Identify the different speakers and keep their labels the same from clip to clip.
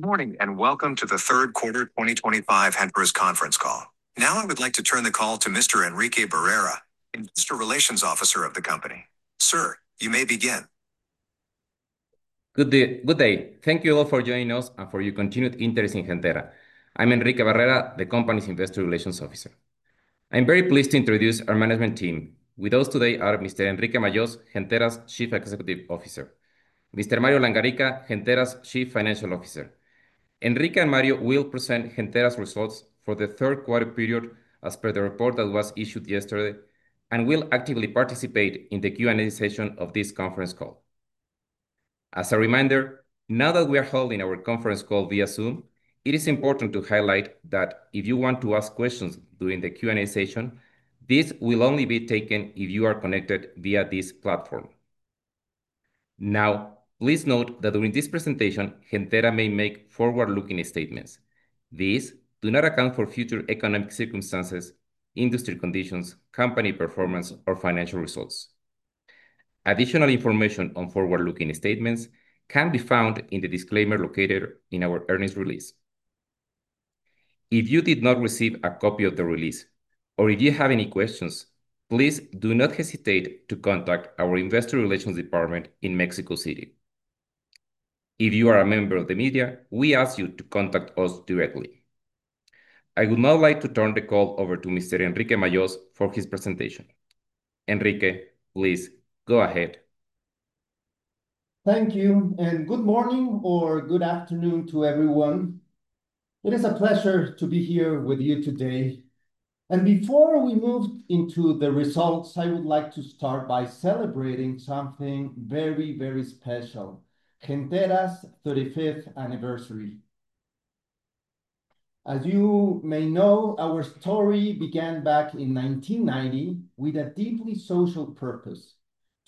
Speaker 1: Good morning, and welcome to the third quarter 2025 Gentera's conference call. Now I would like to turn the call to Mr. Enrique Barrera, Investor Relations Officer of the company. Sir, you may begin.
Speaker 2: Good day. Thank you all for joining us and for your continued interest in Gentera. I'm Enrique Barrera, the company's Investor Relations Officer. I'm very pleased to introduce our management team. With us today are Mr. Enrique Majós, Gentera's Chief Executive Officer, Mr. Mario Langarica, Gentera's Chief Financial Officer. Enrique and Mario will present Gentera's results for the third quarter period as per the report that was issued yesterday, and will actively participate in the Q&A session of this conference call. As a reminder, now that we are holding our conference call via Zoom, it is important to highlight that if you want to ask questions during the Q&A session, these will only be taken if you are connected via this platform. Now, please note that during this presentation, Gentera may make forward-looking statements. These do not account for future economic circumstances, industry conditions, company performance, or financial results. Additional information on forward-looking statements can be found in the disclaimer located in our earnings release. If you did not receive a copy of the release or if you have any questions, please do not hesitate to contact our investor relations department in Mexico City. If you are a member of the media, we ask you to contact us directly. I would now like to turn the call over to Mr. Enrique Majós for his presentation. Enrique, please go ahead.
Speaker 3: Thank you, and good morning or good afternoon to everyone. It is a pleasure to be here with you today. Before we move into the results, I would like to start by celebrating something very, very special, Gentera's 35th anniversary. As you may know, our story began back in 1990 with a deeply social purpose,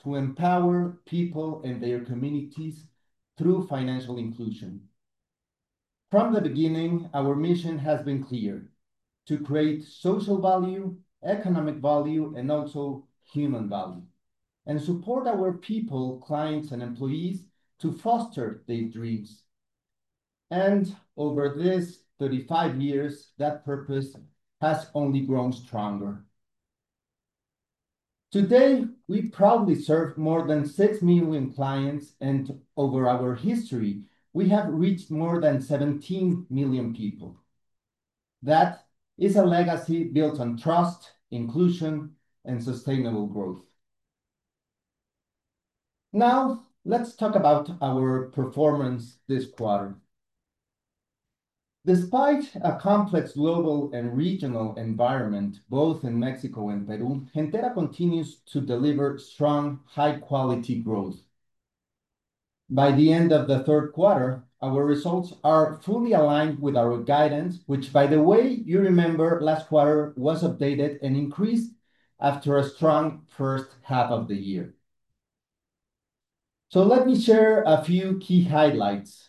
Speaker 3: to empower people and their communities through financial inclusion. From the beginning, our mission has been clear, to create social value, economic value, and also human value, and support our people, clients, and employees to foster their dreams. Over these 35 years, that purpose has only grown stronger. Today, we proudly serve more than six million clients, and over our history, we have reached more than 17 million people. That is a legacy built on trust, inclusion, and sustainable growth. Now, let's talk about our performance this quarter. Despite a complex global and regional environment, both in Mexico and Peru, Gentera continues to deliver strong, high-quality growth. By the end of the third quarter, our results are fully aligned with our guidance, which by the way, you remember last quarter was updated and increased after a strong first half of the year. Let me share a few key highlights.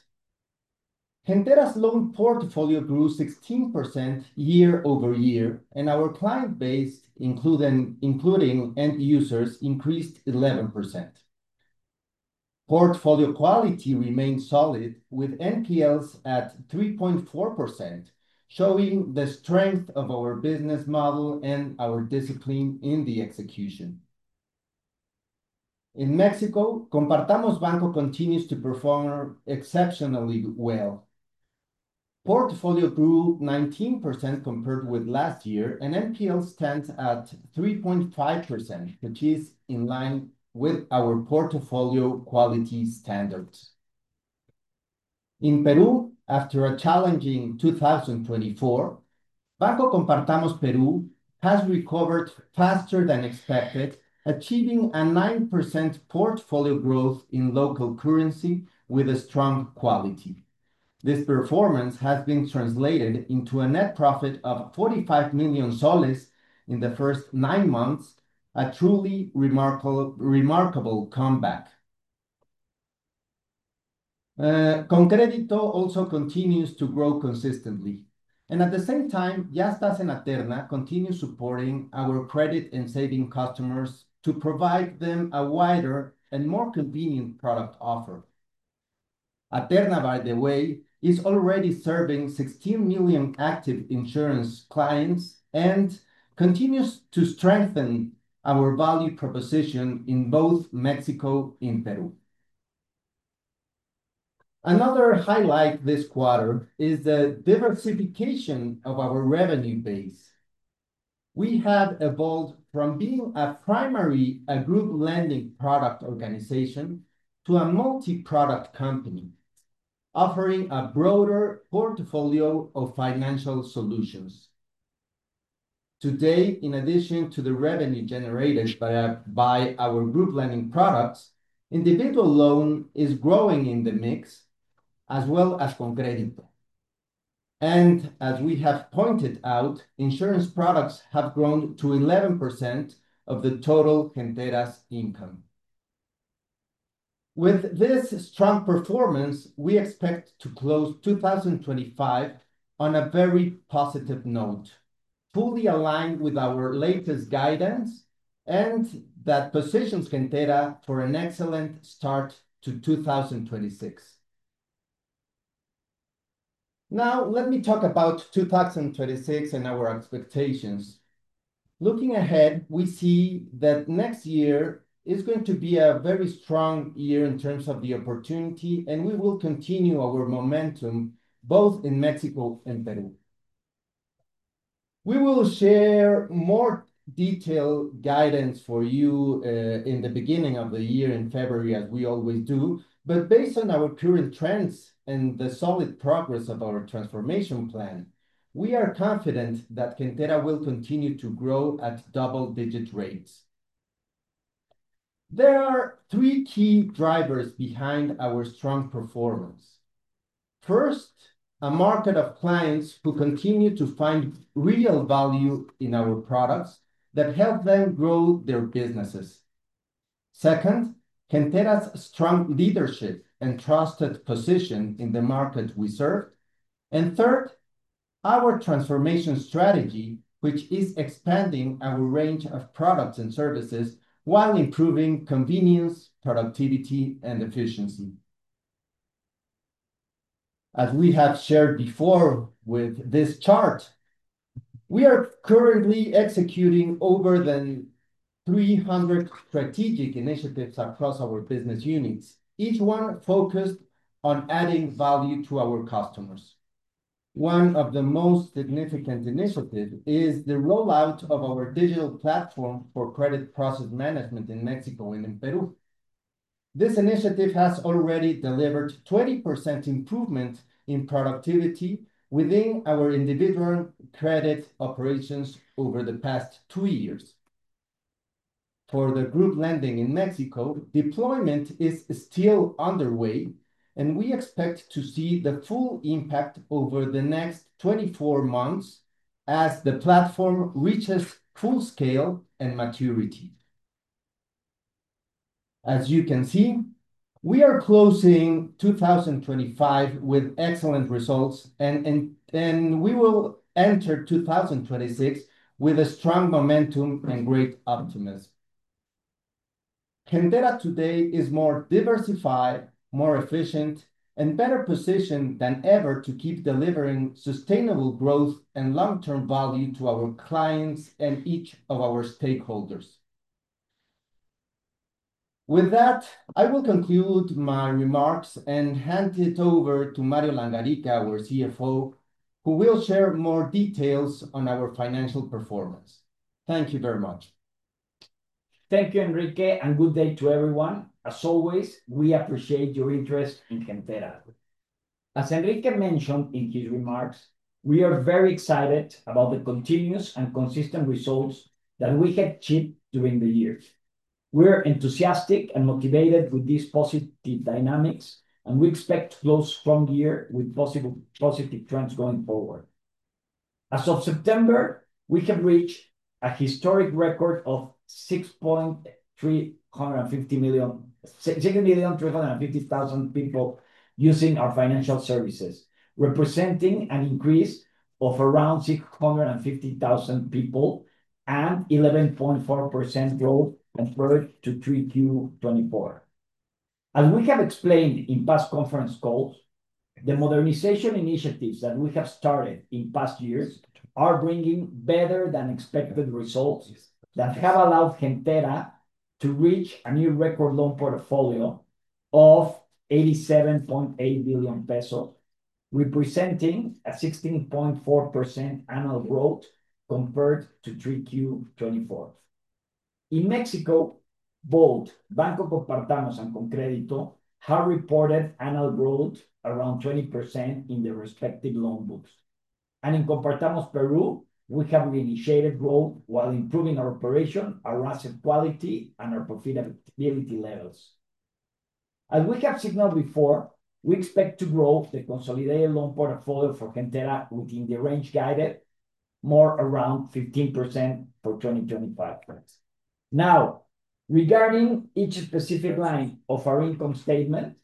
Speaker 3: Gentera's loan portfolio grew 16% year-over-year, and our client base, including end users, increased 11%. Portfolio quality remains solid, with NPLs at 3.4%, showing the strength of our business model and our discipline in the execution. In Mexico, Compartamos Banco continues to perform exceptionally well. Portfolio grew 19% compared with last year, and NPL stands at 3.5%, which is in line with our portfolio quality standards. In Peru, after a challenging 2024, Banco Compartamos Peru has recovered faster than expected, achieving a 9% portfolio growth in local currency with a strong quality. This performance has been translated into a net profit of PEN 45 million in the first nine months, a truly remarkable comeback. ConCrédito also continues to grow consistently, and at the same time, Yastás and Aterna continue supporting our credit and saving customers to provide them a wider and more convenient product offer. Aterna, by the way, is already serving 16 million active insurance clients and continues to strengthen our value proposition in both Mexico and Peru. Another highlight this quarter is the diversification of our revenue base. We have evolved from being a primary group lending product organization to a multi-product company, offering a broader portfolio of financial solutions. Today, in addition to the revenue generated by our group lending products, individual loan is growing in the mix as well as ConCrédito. As we have pointed out, insurance products have grown to 11% of the total Gentera's income. With this strong performance, we expect to close 2025 on a very positive note. Fully aligned with our latest guidance, and that positions Gentera for an excellent start to 2026. Now, let me talk about 2026 and our expectations. Looking ahead, we see that next year is going to be a very strong year in terms of the opportunity, and we will continue our momentum both in Mexico and Peru. We will share more detailed guidance for you in the beginning of the year in February as we always do. Based on our current trends and the solid progress of our transformation plan, we are confident that Gentera will continue to grow at double-digit rates. There are three key drivers behind our strong performance. First, a market of clients who continue to find real value in our products that help them grow their businesses. Second, Gentera's strong leadership and trusted position in the market we serve. Third, our transformation strategy, which is expanding our range of products and services while improving convenience, productivity, and efficiency. As we have shared before with this chart, we are currently executing more than 300 strategic initiatives across our business units, each one focused on adding value to our customers. One of the most significant initiative is the rollout of our digital platform for credit process management in Mexico and in Peru. This initiative has already delivered 20% improvement in productivity within our individual credit operations over the past two years. For the group lending in Mexico, deployment is still underway, and we expect to see the full impact over the next 24 months as the platform reaches full scale and maturity. As you can see, we are closing 2025 with excellent results, and we will enter 2026 with a strong momentum and great optimism. Gentera today is more diversified, more efficient, and better positioned than ever to keep delivering sustainable growth and long-term value to our clients and each of our stakeholders. With that, I will conclude my remarks and hand it over to Mario Langarica, our Chief Financial Officer, who will share more details on our financial performance. Thank you very much.
Speaker 4: Thank you, Enrique, and good day to everyone. As always, we appreciate your interest in Gentera. As Enrique mentioned in his remarks, we are very excited about the continuous and consistent results that we have achieved during the year. We're enthusiastic and motivated with these positive dynamics, and we expect to grow strong year with positive trends going forward. As of September, we have reached a historic record of 6.35 million, 6,350,000 people using our financial services, representing an increase of around 650,000 people and 11.4% growth compared to Q3 2024. As we have explained in past conference calls, the modernization initiatives that we have started in past years are bringing better than expected results that have allowed Gentera to reach a new record loan portfolio of 87.8 billion pesos, representing a 16.4% annual growth compared to Q3 2024. In Mexico, both Banco Compartamos and ConCrédito have reported annual growth around 20% in their respective loan books. In Compartamos Peru, we have reinitiated growth while improving our operation, our asset quality, and our profitability levels. As we have signaled before, we expect to grow the consolidated loan portfolio for Gentera within the range guided more around 15% for 2025 trends. Now, regarding each specific line of our income statement,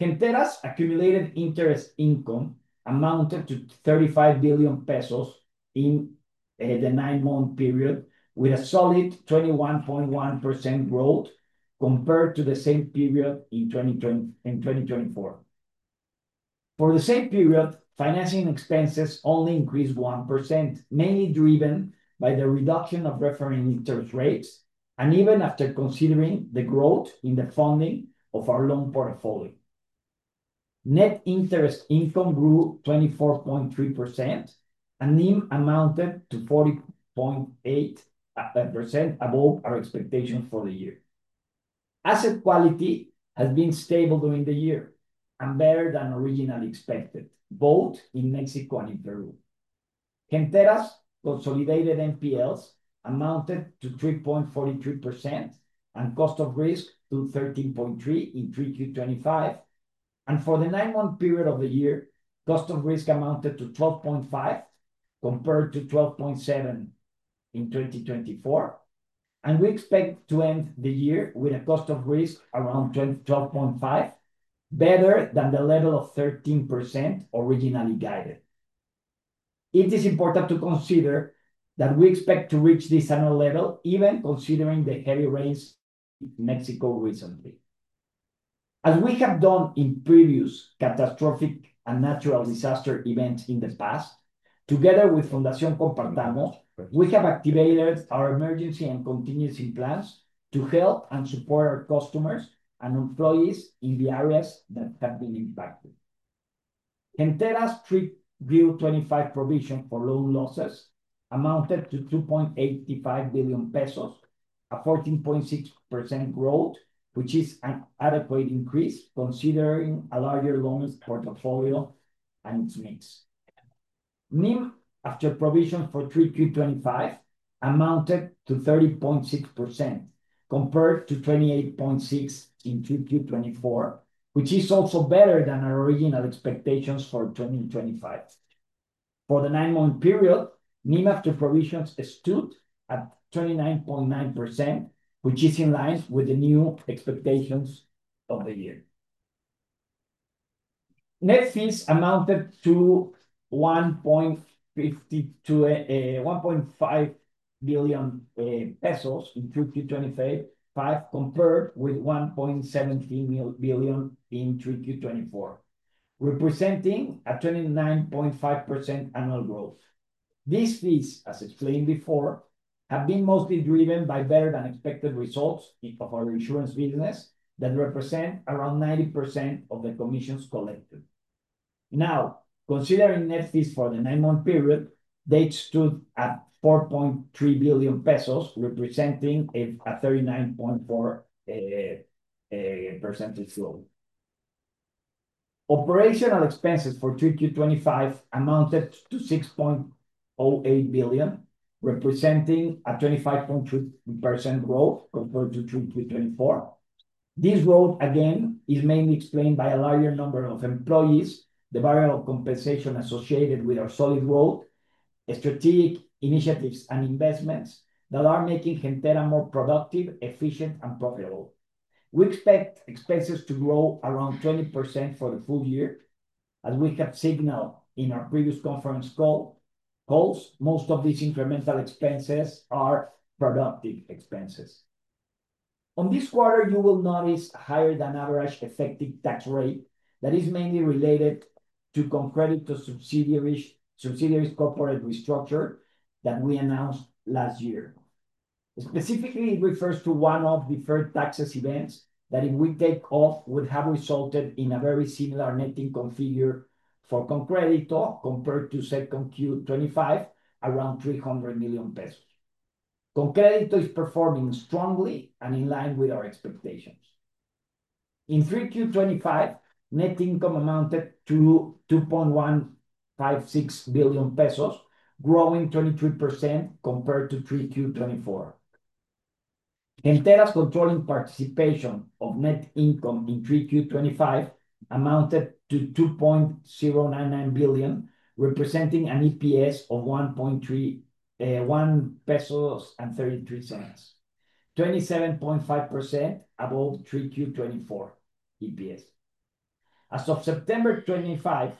Speaker 4: Gentera's accumulated interest income amounted to 35 billion pesos in the nine-month period, with a solid 21.1% growth compared to the same period in 2024. For the same period, financing expenses only increased 1%, mainly driven by the reduction of reference interest rates, and even after considering the growth in the funding of our loan portfolio. Net interest income grew 24.3%, and NIM amounted to 40.8% above our expectation for the year. Asset quality has been stable during the year and better than originally expected, both in Mexico and in Peru. Gentera's consolidated NPLs amounted to 3.43%, and cost of risk to 13.3% in Q3 2025. For the nine-month period of the year, cost of risk amounted to 12.5%, compared to 12.7% in 2024. We expect to end the year with a cost of risk around 12.5%, better than the level of 13% originally guided. It is important to consider that we expect to reach this annual level, even considering the heavy rains in Mexico recently. As we have done in previous catastrophic and natural disaster events in the past, together with Fundación Compartamos, we have activated our emergency and contingency plans to help and support our customers and employees in the areas that have been impacted. Gentera's Q3 2025 provision for loan losses amounted to 2.85 billion pesos, a 14.6% growth, which is an adequate increase considering a larger loan portfolio and its mix. NIM, after provision for Q3 2025, amounted to 30.6%, compared to 28.6% in Q3 2024, which is also better than our original expectations for 2025. For the nine-month period, NIM after provisions stood at 29.9%, which is in line with the new expectations of the year. Net fees amounted to 1.5 billion pesos in Q3 2025, compared with 1.17 billion in Q3 2024, representing a 29.5% annual growth. These fees, as explained before, have been mostly driven by better-than-expected results of our insurance business that represent around 90% of the commissions collected. Now, considering net fees for the nine-month period, they stood at 4.3 billion pesos, representing a 39.4% growth. Operational expenses for Q3 2025 amounted to MXN 6.08 billion, representing a 25.2% growth compared to Q3 2024. This growth, again, is mainly explained by a larger number of employees, the variable compensation associated with our solid growth, strategic initiatives, and investments that are making Gentera more productive, efficient, and profitable. We expect expenses to grow around 20% for the full year. As we have signaled in our previous conference calls, most of these incremental expenses are productive expenses. In this quarter, you will notice higher-than-average effective tax rate that is mainly related to ConCrédito subsidiaries corporate restructure that we announced last year. Specifically, it refers to one-off deferred tax events that if we take off, would have resulted in a very similar net income figure for ConCrédito compared to second Q 2025, around 300 million pesos. ConCrédito is performing strongly and in line with our expectations. In 3Q 2025, net income amounted to 2.156 billion pesos, growing 23% compared to 3Q 2024. Gentera's controlling participation of net income in 3Q 2025 amounted to 2.099 billion, representing an EPS of 1.33 pesos, 27.5% above 3Q 2024 EPS. As of September 25,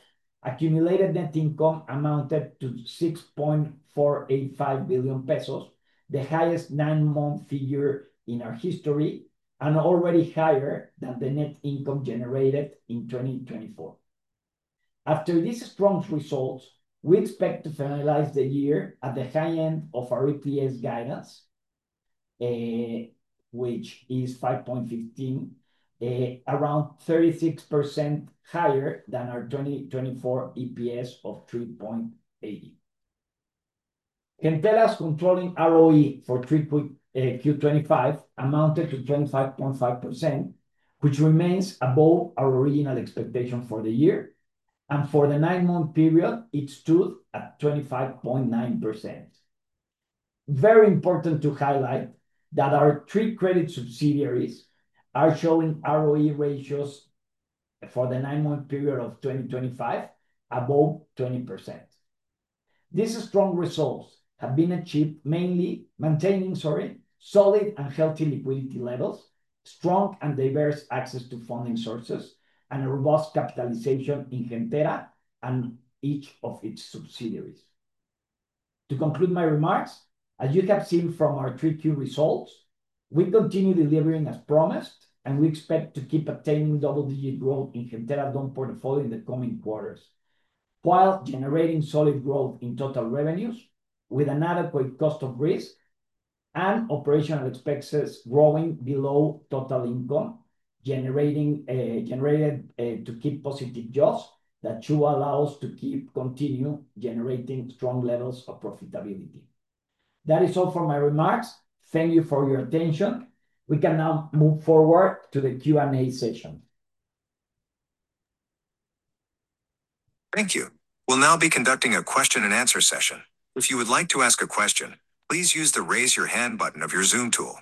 Speaker 4: accumulated net income amounted to 6.485 billion pesos, the highest nine-month figure in our history, and already higher than the net income generated in 2024. After this strong result, we expect to finalize the year at the high end of our EPS guidance, which is 5.15, around 36% higher than our 2024 EPS of 3.8. Gentera's controlling ROE for 3Q 2025 amounted to 25.5%, which remains above our original expectation for the year. For the nine-month period, it stood at 25.9%. Very important to highlight that our three credit subsidiaries are showing ROE ratios for the nine-month period of 2025 above 20%. These strong results have been achieved maintaining solid and healthy liquidity levels, strong and diverse access to funding sources, and a robust capitalization in Gentera and each of its subsidiaries. To conclude my remarks, as you have seen from our 3Q results, we continue delivering as promised, and we expect to keep obtaining double-digit growth in Gentera loan portfolio in the coming quarters, while generating solid growth in total revenues with an adequate cost of risk and operational expenses growing below total income generated to keep positive yields that too allow us to keep continue generating strong levels of profitability. That is all for my remarks. Thank you for your attention. We can now move forward to the Q&A session.
Speaker 1: Thank you. We'll now be conducting a question-and-answer session. If you would like to ask a question, please use the raise your hand button of your Zoom tool.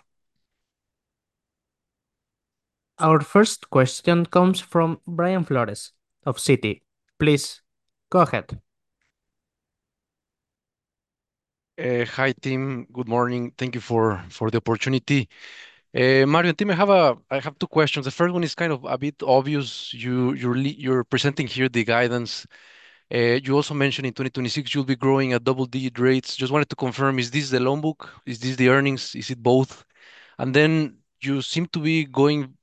Speaker 1: Our first question comes from Brian Flores of Citi, please go ahead.
Speaker 5: Hi, team. Good morning? Thank you for the opportunity. Mario and team, I have two questions. The first one is a bit obvious. You're presenting here the guidance. You also mentioned in 2026 you'll be growing at double-digit rates. Just wanted to confirm, is this the loan book? Is this the earnings? Is it both? You seem to be going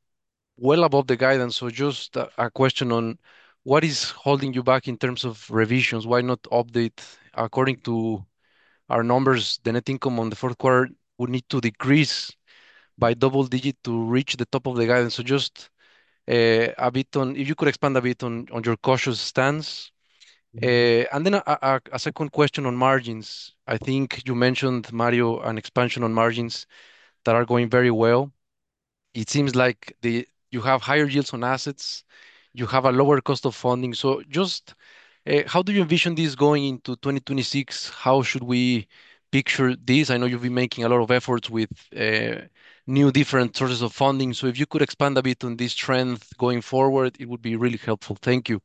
Speaker 5: well above the guidance. Just a question on what is holding you back in terms of revisions, why not update according to our numbers? The net income on the fourth quarter would need to decrease by double-digit to reach the top of the guidance. Just if you could expand a bit on your cautious stance. A second question on margins. I think you mentioned, Mario, an expansion on margins that are going very well. It seems like you have higher yields on assets, you have a lower cost of funding. Just how do you envision this going into 2026? How should we picture this? I know you've been making a lot of efforts with new, different sources of funding, so if you could expand a bit on this trend going forward, it would be really helpful. Thank you.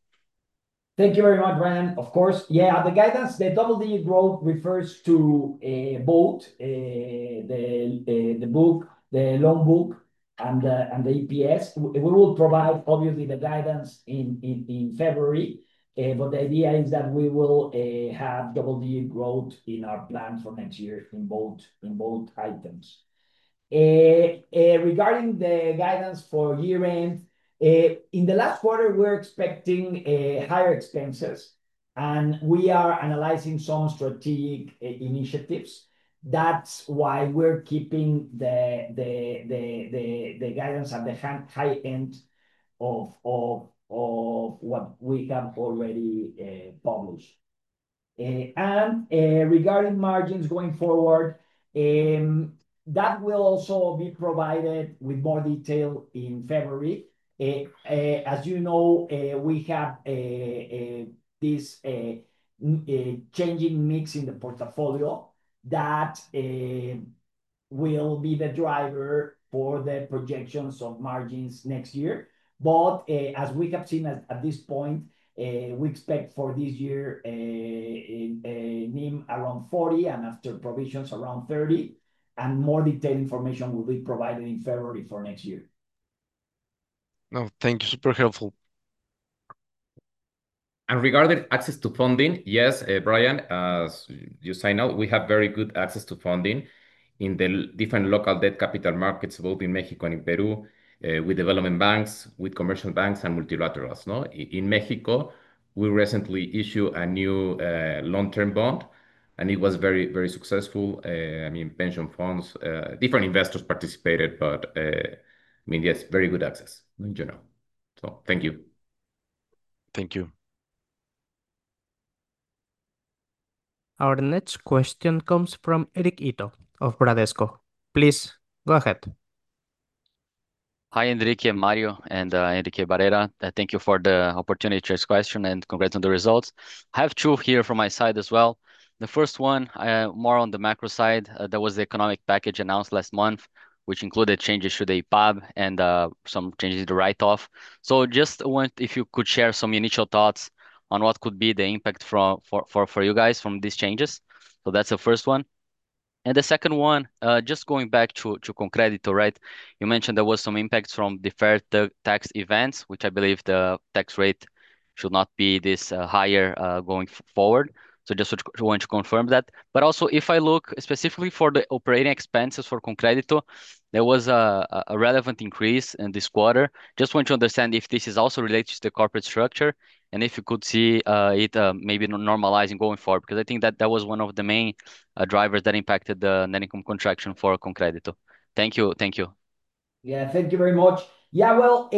Speaker 4: Thank you very much, Brian. Of course. Yeah, the guidance, the double-digit growth refers to both the book, the loan book, and the EPS. We will provide, obviously, the guidance in February. But the idea is that we will have double-digit growth in our plan for next year in both items. Regarding the guidance for year-end, in the last quarter, we're expecting higher expenses, and we are analyzing some strategic initiatives. That's why we're keeping the guidance at the high end of what we have already published. Regarding margins going forward, that will also be provided with more detail in February. As you know, we have this changing mix in the portfolio that will be the driver for the projections of margins next year. As we have seen at this point, we expect for this year a NIM around 40%, and after provisions, around 30%, and more detailed information will be provided in February for next year.
Speaker 5: No, thank you. Super helpful.
Speaker 3: Regarding access to funding, yes, Brian, as you say now, we have very good access to funding in the different local debt capital markets, both in Mexico and in Peru, with development banks, with commercial banks, and multilaterals. In Mexico, we recently issue a new long-term bond, and it was very successful. Pension funds, different investors participated, but yes, very good access in general. Thank you.
Speaker 5: Thank you.
Speaker 1: Our next question comes from Eric Ito of Bradesco, please go ahead.
Speaker 6: Hi, Enrique, Mario, and Enrique Barrera. Thank you for the opportunity to ask question, and congrats on the results. I have two here from my side as well. The first one, more on the macro side. There was the economic package announced last month, which included changes to the IPAB and some changes to write-off. I just wonder if you could share some initial thoughts on what could be the impact for you guys from these changes. That's the first one. The second one, just going back to ConCrédito, right? You mentioned there was some impact from deferred tax events, which I believe the tax rate should not be this high going forward. I just want to confirm that. But also, if I look specifically for the operating expenses for ConCrédito, there was a relevant increase in this quarter. Just want to understand if this is also related to the corporate structure and if you could see it maybe normalizing going forward, because I think that that was one of the main drivers that impacted the net income contraction for ConCrédito. Thank you.
Speaker 4: Yeah. Thank you very much. Yeah, well,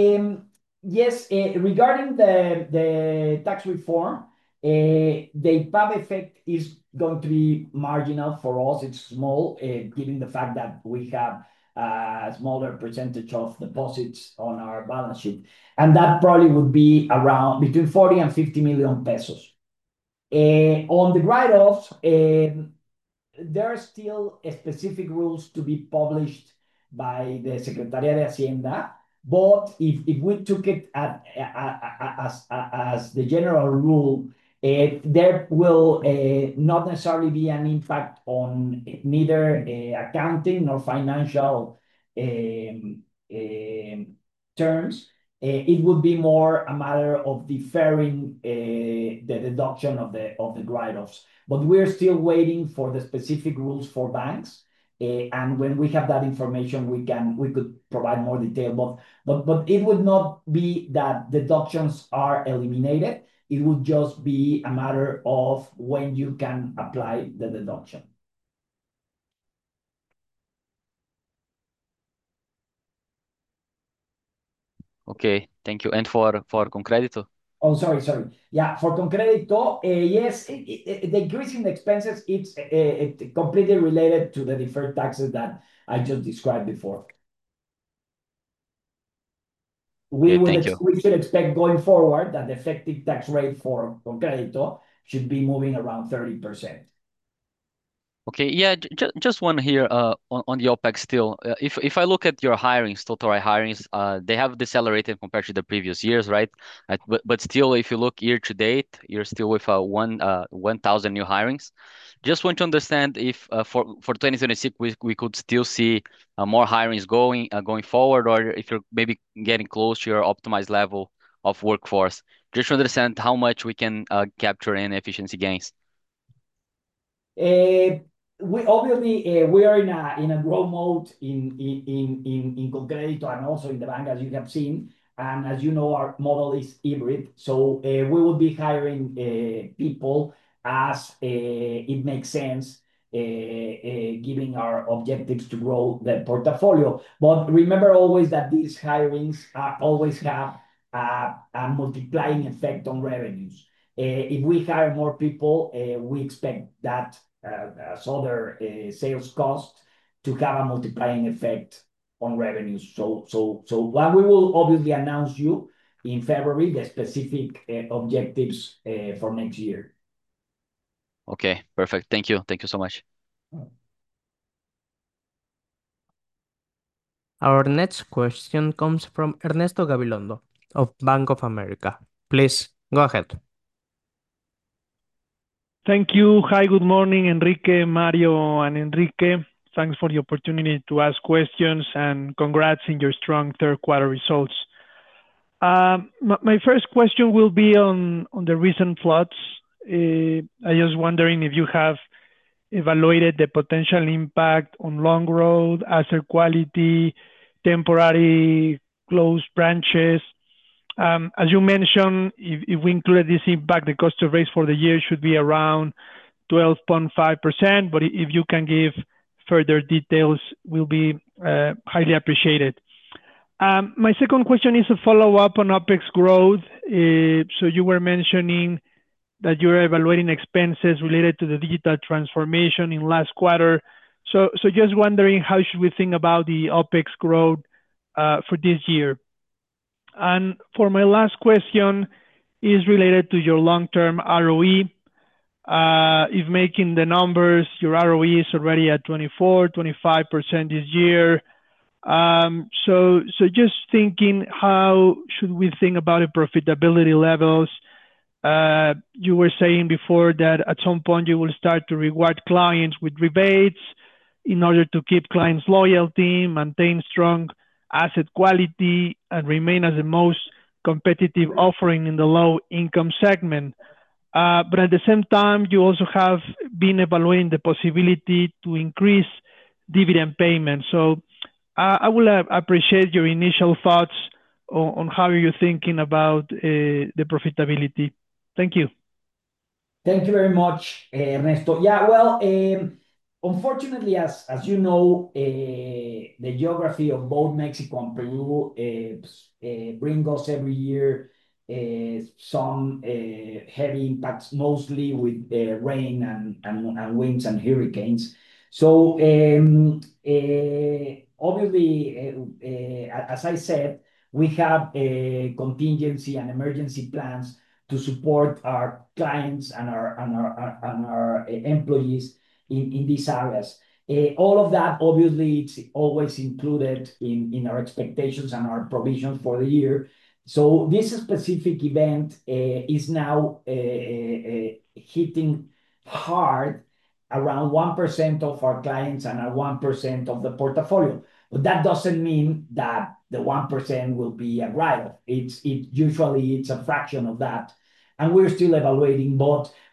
Speaker 4: yes, regarding the tax reform, the IPAB effect is going to be marginal for us. It's small, given the fact that we have a smaller percentage of deposits on our balance sheet, and that probably would be around between 40 million and 50 million pesos. On the write-offs, there are still specific rules to be published by the Secretaría de Hacienda, but if we took it as the general rule, there will not necessarily be an impact on neither accounting nor financial terms. It would be more a matter of deferring the deduction of the write-offs. We're still waiting for the specific rules for banks, and when we have that information, we could provide more detail. It would not be that deductions are eliminated. It would just be a matter of when you can apply the deduction.
Speaker 6: Okay, thank you. For ConCrédito?
Speaker 4: Oh, sorry. Yeah, for ConCrédito, yes, the increase in expenses, it's completely related to the deferred taxes that I just described before.
Speaker 6: Thank you.
Speaker 4: We should expect going forward that the effective tax rate for ConCrédito should be moving around 30%.
Speaker 6: Okay. Yeah. Just one here on the OpEx still. If I look at your hirings, total hirings, they have decelerated compared to the previous years, right? But still, if you look year to date, you're still with 1,000 new hirings. Just want to understand if, for 2026, we could still see more hirings going forward or if you're maybe getting close to your optimized level of workforce. Just to understand how much we can capture any efficiency gains.
Speaker 4: Obviously, we are in a growth mode in ConCrédito and also in the bank, as you have seen. As you know, our model is hybrid. We will be hiring people as it makes sense, given our objectives to grow the portfolio. Remember always that these hirings always have a multiplying effect on revenues. If we hire more people, we expect that sales force to have a multiplying effect on revenues. What we will obviously announce to you in February, the specific objectives for next year.
Speaker 6: Okay, perfect. Thank you. Thank you so much.
Speaker 1: Our next question comes from Ernesto Gabilondo of Bank of America, please go ahead.
Speaker 7: Thank you. Hi, good morning, Enrique, Mario and Enrique? Thanks for the opportunity to ask questions, and congrats on your strong third quarter results. My first question will be on the recent floods. I'm just wondering if you have evaluated the potential impact on loan book, asset quality, temporary closed branches. As you mentioned, if we include this impact, the cost of risk for the year should be around 12.5%, but if you can give further details, it will be highly appreciated. My second question is a follow-up on OpEx growth. You were mentioning that you were evaluating expenses related to the digital transformation in last quarter. Just wondering how should we think about the OpEx growth for this year? For my last question is related to your long-term ROE. If making the numbers, your ROE is already at 24%-25% this year. Just thinking how should we think about the profitability levels? You were saying before that at some point you will start to reward clients with rebates in order to keep clients' loyalty, maintain strong asset quality, and remain as the most competitive offering in the low-income segment. At the same time, you also have been evaluating the possibility to increase dividend payments. I will appreciate your initial thoughts on how you're thinking about the profitability. Thank you.
Speaker 4: Thank you very much, Ernesto. Yeah. Well, unfortunately, as you know, the geography of both Mexico and Peru brings us every year some heavy impacts, mostly with rain and winds and hurricanes. Obviously, as I said, we have contingency and emergency plans to support our clients and our employees in these areas. All of that, obviously, it's always included in our expectations and our provision for the year. This specific event is now hitting hard around 1% of our clients and 1% of the portfolio. That doesn't mean that the 1% will be a write-off. Usually, it's a fraction of that, and we're still evaluating.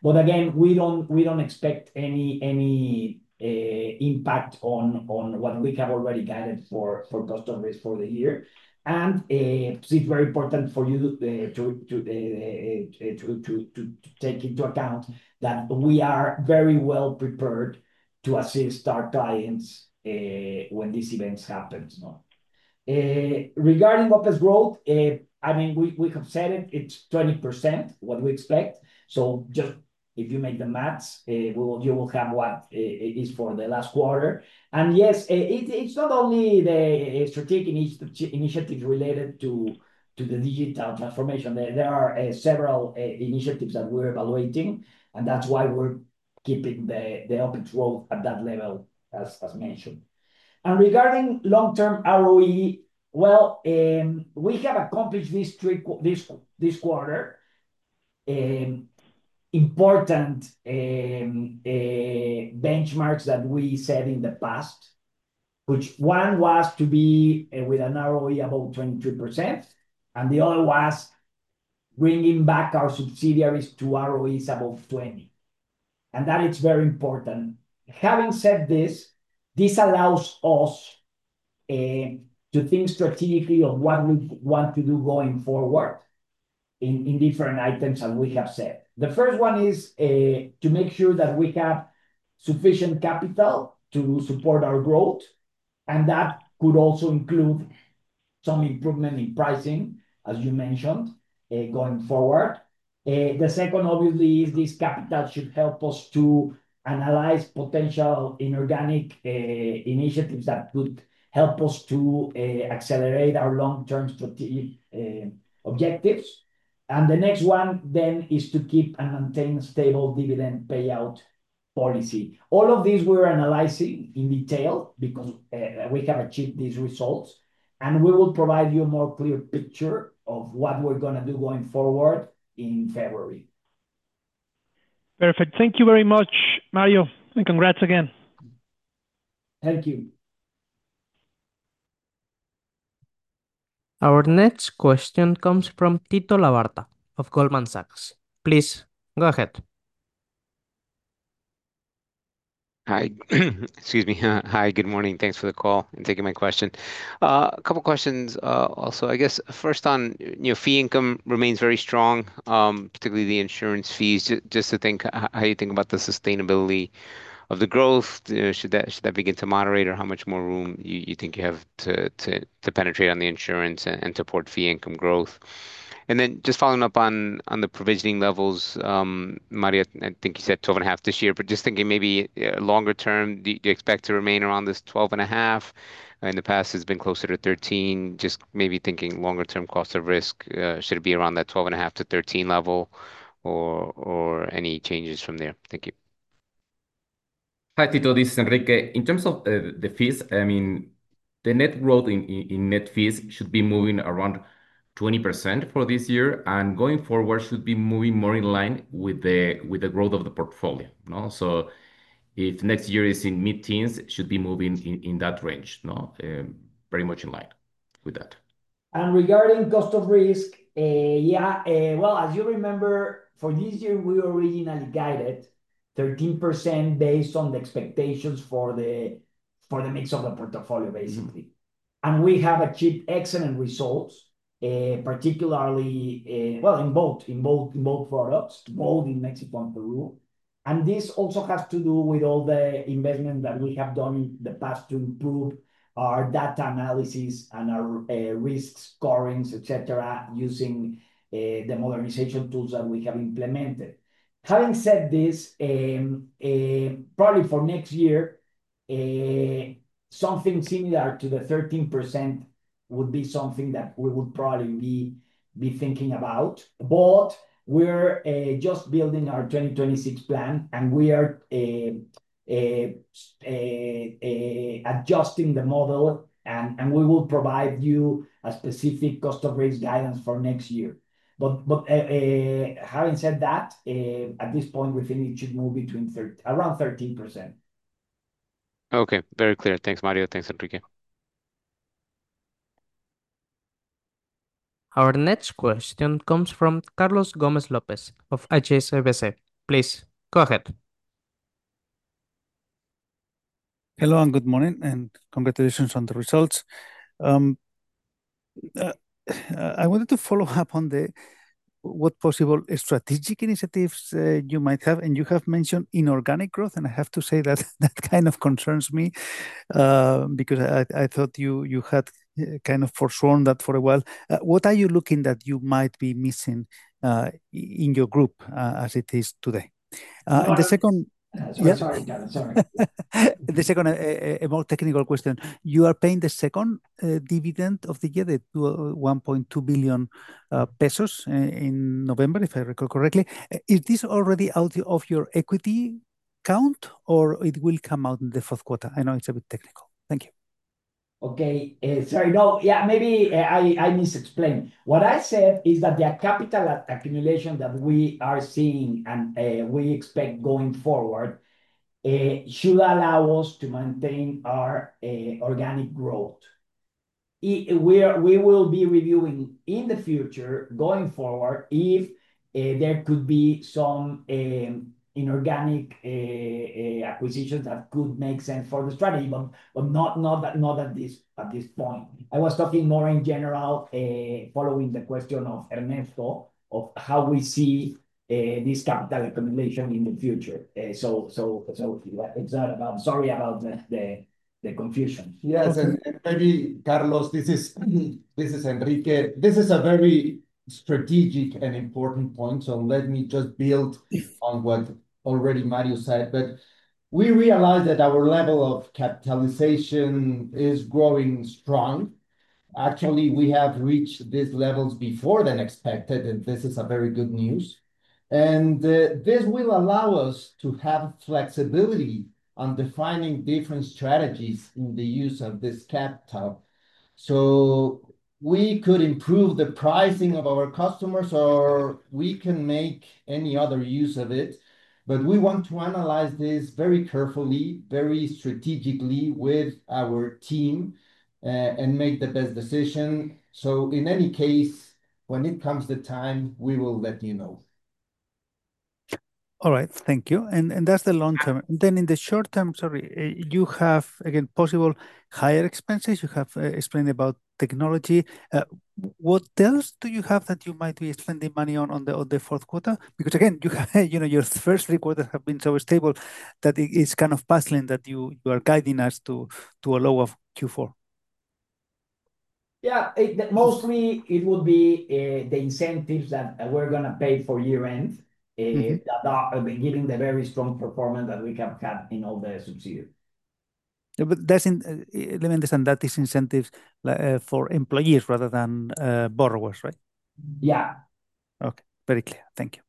Speaker 4: Again, we don't expect any impact on what we have already guided for cost of risk for the year. It's very important for you to take into account that we are very well prepared to assist our clients when these events happen. Regarding OpEx growth, we have said it's 20%, what we expect. Just if you make the math, you will have what it is for the last quarter. Yes, it's not only the strategic initiatives related to the digital transformation. There are several initiatives that we're evaluating, and that's why we're keeping the OpEx growth at that level as mentioned. Regarding long-term ROE, well, we have accomplished this quarter important benchmarks that we set in the past, which one was to be with an ROE above 22%, and the other was bringing back our subsidiaries to ROEs above 20%. That is very important. Having said this allows us to think strategically of what we want to do going forward in different items, as we have said. The first one is to make sure that we have sufficient capital to support our growth, and that could also include some improvement in pricing, as you mentioned, going forward. The second, obviously, is this capital should help us to analyze potential inorganic initiatives that could help us to accelerate our long-term strategic objectives. The next one is to keep and maintain a stable dividend payout policy. All of these we're analyzing in detail because we have achieved these results, and we will provide you a more clear picture of what we're going to do going forward in February.
Speaker 7: Perfect. Thank you very much, Mario, and congrats again.
Speaker 4: Thank you.
Speaker 1: Our next question comes from Tito Labarta of Goldman Sachs, please, go ahead.
Speaker 8: Hi. Excuse me. Hi. Good morning? Thanks for the call and taking my question. A couple questions also. I guess first on fee income remains very strong, particularly the insurance fees. Just how you think about the sustainability of the growth. Should that begin to moderate? Or how much more room you think you have to penetrate on the insurance and support fee income growth? Just following up on the provisioning levels, Mario, I think you said 12.5% this year, but just thinking maybe longer term, do you expect to remain around this 12.5%? In the past, it's been closer to 13%. Just maybe thinking longer-term cost of risk, should it be around that 12.5%-13% level or any changes from there? Thank you.
Speaker 3: Hi, Tito, this is Enrique. In terms of the fees, the net growth in net fees should be moving around 20% for this year, and going forward, should be moving more in line with the growth of the portfolio. If next year is in mid-teens, it should be moving in that range. Pretty much in line with that.
Speaker 4: Regarding cost of risk, yeah. Well, as you remember, for this year, we originally guided 13% based on the expectations for the mix of the portfolio, basically. We have achieved excellent results, particularly in both products, both in Mexico and Peru. This also has to do with all the investment that we have done in the past to improve our data analysis and our risk scorings, et cetera, using the modernization tools that we have implemented. Having said this, probably for next year, something similar to the 13% would be something that we would probably be thinking about. We're just building our 2026 plan, and we are adjusting the model, and we will provide you a specific cost of risk guidance for next year. Having said that, at this point, we think it should move around 13%.
Speaker 8: Okay, very clear. Thanks, Mario. Thanks, Enrique.
Speaker 1: Our next question comes from Carlos Gomez-Lopez of HSBC, please, go ahead.
Speaker 9: Hello, and good morning, and congratulations on the results. I wanted to follow up on what possible strategic initiatives you might have, and you have mentioned inorganic growth, and I have to say that that kind of concerns me, because I thought you had kind of forsworn that for a while. What are you looking at that you might be missing in your group as it is today? The second-
Speaker 4: Sorry.
Speaker 9: The second, a more technical question. You are paying the second dividend of the year, the 1.2 billion pesos in November, if I recall correctly. Is this already out of your equity count or it will come out in the fourth quarter? I know it's a bit technical. Thank you.
Speaker 4: Okay. Sorry. No, yeah, maybe I misexplained. What I said is that the capital accumulation that we are seeing and we expect going forward should allow us to maintain our organic growth. We will be reviewing in the future, going forward, if there could be some inorganic acquisitions that could make sense for the strategy, but not at this point. I was talking more in general, following the question of Ernesto, of how we see this capital accumulation in the future. If you like, it's that. I'm sorry about the confusion.
Speaker 3: Yes. Maybe Carlos, this is Enrique. This is a very strategic and important point, so let me just build on what already Mario said. We realize that our level of capitalization is growing strong. Actually, we have reached these levels before than expected, and this is a very good news. This will allow us to have flexibility on defining different strategies in the use of this capital. We could improve the pricing of our customers, or we can make any other use of it. We want to analyze this very carefully, very strategically with our team, and make the best decision. In any case, when it comes the time, we will let you know.
Speaker 9: All right. Thank you. That's the long term. In the short term, sorry, you have, again, possible higher expenses. You have explained about technology. What else do you have that you might be spending money on the fourth quarter? Because again, your first, second quarter have been so stable that it's kind of puzzling that you are guiding us to a low of Q4.
Speaker 4: Yeah. Mostly it would be the incentives that we're going to pay for year-end that are giving the very strong performance that we have had in all the sub-tier.
Speaker 9: Let me understand, that is incentives for employees rather than borrowers, right?
Speaker 4: Yeah.
Speaker 9: Okay, very clear. Thank you.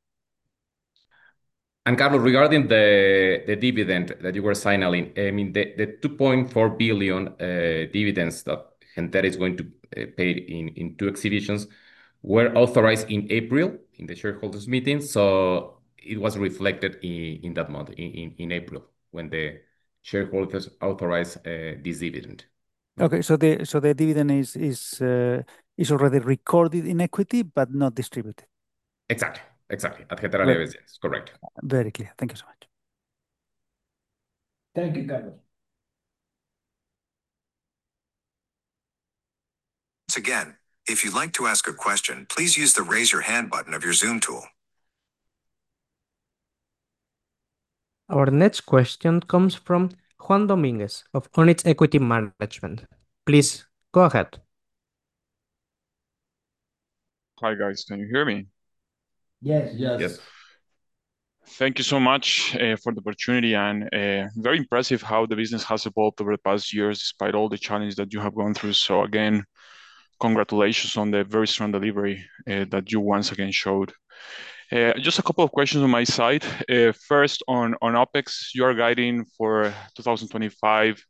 Speaker 2: Carlos, regarding the dividend that you were signaling, the $2.4 billion dividends, and that is going to pay in two installments, were authorized in April, in the shareholders meeting. It was reflected in that month, in April, when the shareholders authorized this dividend.
Speaker 9: Okay, the dividend is already recorded in equity, but not distributed.
Speaker 2: Exactly. At Gentera business. Correct.
Speaker 9: Very clear. Thank you so much.
Speaker 4: Thank you, Carlos.
Speaker 1: Once again, if you'd like to ask a question, please use the raise your hand button of your Zoom tool. Our next question comes from Juan Dominguez of Onyx Equity Management, please go ahead.
Speaker 10: Hi, guys. Can you hear me?
Speaker 3: Yes.
Speaker 2: Yes.
Speaker 10: Thank you so much for the opportunity, and very impressive how the business has evolved over the past years, despite all the challenges that you have gone through. Again, congratulations on the very strong delivery that you once again showed. Just a couple of questions on my side. First, on OpEx, you are guiding for 2025,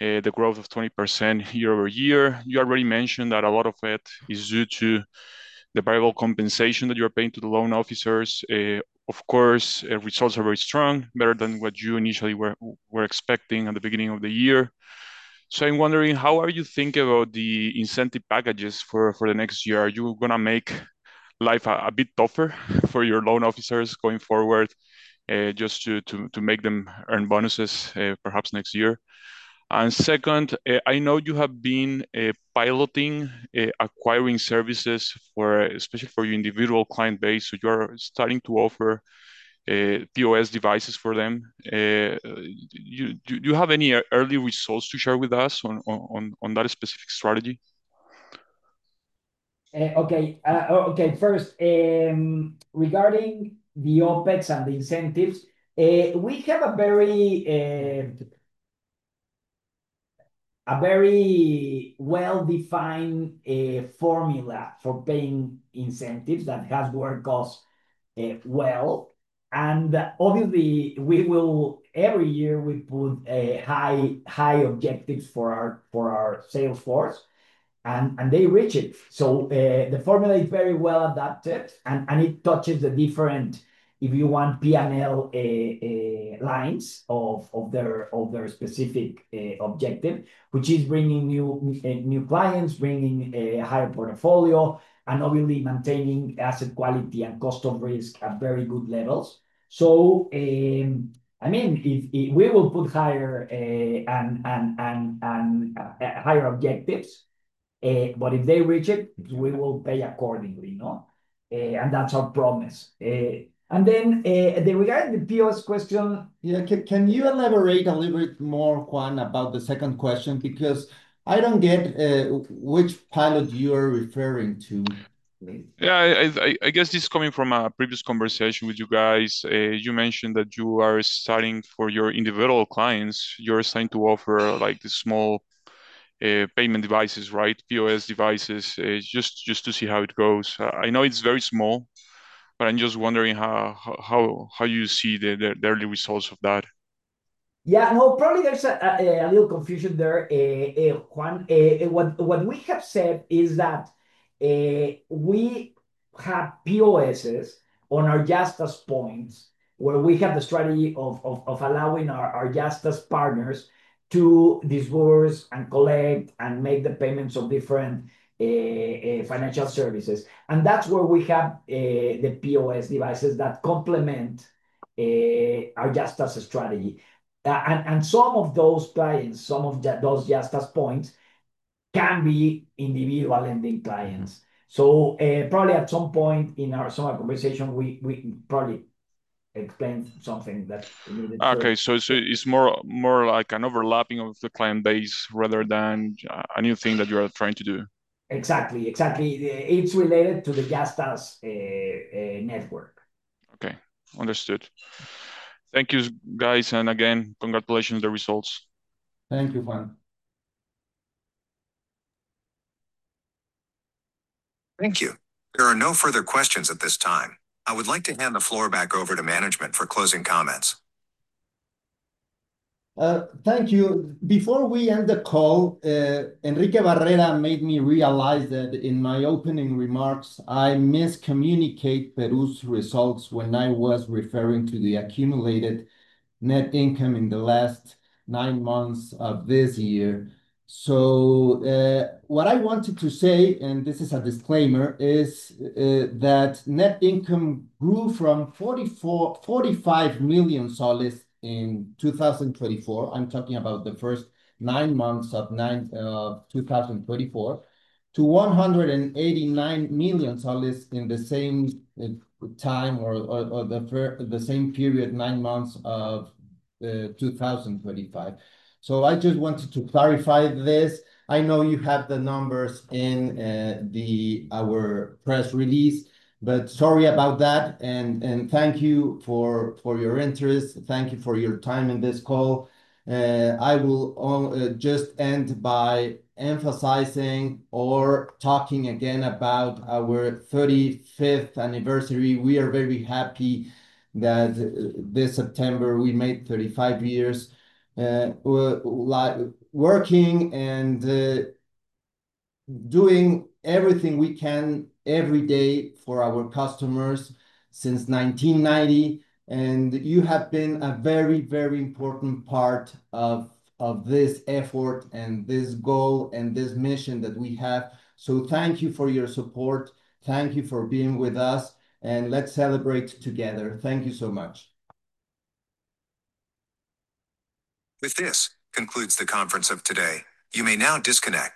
Speaker 10: the growth of 20% year-over-year. You already mentioned that a lot of it is due to the variable compensation that you're paying to the loan officers. Of course, results are very strong, better than what you initially were expecting at the beginning of the year. I'm wondering, how are you thinking about the incentive packages for the next year? Are you going to make life a bit tougher for your loan officers going forward, just to make them earn bonuses perhaps next year? Second, I know you have been piloting acquiring services, especially for your individual client base. You are starting to offer POS devices for them. Do you have any early results to share with us on that specific strategy?
Speaker 4: Okay. First, regarding the OpEx and the incentives, we have a very well-defined formula for paying incentives that has worked well. Obviously, every year, we put high objectives for our sales force, and they reach it. The formula is very well adapted, and it touches the different, if you want, P&L lines of their specific objective, which is bringing new clients, bringing a higher portfolio, and obviously maintaining asset quality and cost of risk at very good levels. We will put higher objectives, but if they reach it, we will pay accordingly. That's our promise. Then, regarding the POS question. Can you elaborate a little bit more, Juan, about the second question? Because I don't get which pilot you are referring to.
Speaker 10: Yeah, I guess this is coming from a previous conversation with you guys. You mentioned that you are starting for your individual clients, you're starting to offer these small payment devices, right? POS devices, just to see how it goes. I know it's very small, but I'm just wondering how you see the early results of that.
Speaker 4: Yeah. Well, probably there's a little confusion there, Juan. What we have said is that we have POSs on our Yastás points, where we have the strategy of allowing our Yastás partners to disburse and collect and make the payments of different financial services. That's where we have the POS devices that complement our Yastás strategy. Some of those clients, some of those Yastás points, can be individual lending clients. Probably at some point in some of our conversation, we probably explained something that's a little bit.
Speaker 10: Okay, it's more like an overlapping of the client base rather than a new thing that you are trying to do.
Speaker 4: Exactly. It's related to the Yastás network.
Speaker 10: Okay. Understood. Thank you, guys. Again, congratulations on the results.
Speaker 3: Thank you, Juan.
Speaker 1: Thank you. There are no further questions at this time. I would like to hand the floor back over to management for closing comments.
Speaker 3: Thank you. Before we end the call, Enrique Barrera made me realize that in my opening remarks, I miscommunicated Peru's results when I was referring to the accumulated net income in the last nine months of this year. What I wanted to say, and this is a disclaimer, is that net income grew from PEN 45 million in 2024, I'm talking about the first nine months of 2024, to PEN 189 million in the same time or the same period, nine months of 2025. I just wanted to clarify this. I know you have the numbers in our press release, but sorry about that, and thank you for your interest. Thank you for your time in this call. I will just end by emphasizing or talking again about our 35th anniversary. We are very happy that this September we made 35 years working and doing everything we can every day for our customers since 1990. You have been a very, very important part of this effort and this goal and this mission that we have. Thank you for your support. Thank you for being with us, and let's celebrate together. Thank you so much.
Speaker 1: With this, concludes the conference of today, you may now disconnect.